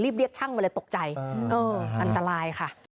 เรียกช่างมาเลยตกใจเอออันตรายค่ะ